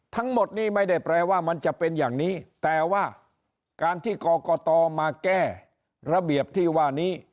ทั้งหมดนี้ไม่ได้แปลว่ามันจะเป็นอย่างนี้แต่ว่าการที่กรกตมาแก้ระเบียบที่ว่านี้